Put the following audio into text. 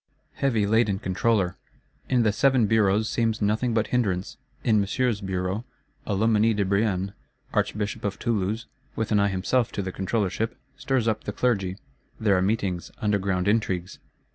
Heavy laden Controller! In the Seven Bureaus seems nothing but hindrance: in Monsieur's Bureau, a Loménie de Brienne, Archbishop of Toulouse, with an eye himself to the Controllership, stirs up the Clergy; there are meetings, underground intrigues.